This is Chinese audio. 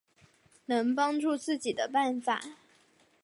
能帮助自己的办法